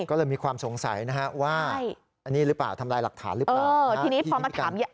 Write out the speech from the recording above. ก็เลยมีความสงสัยนะฮะว่าอันนี้หรือป่าวทำร้ายหลักฐานหรือเปล่า